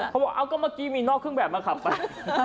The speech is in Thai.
เขาบอกเอาก็เมื่อกี้มีนอกเครื่องแบบมาขับไป